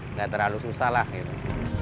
nggak terlalu susah lah gitu